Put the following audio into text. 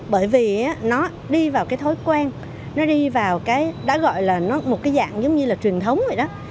bởi vì nó đi vào cái thói quen nó đi vào cái đã gọi là một cái dạng giống như là truyền thống vậy đó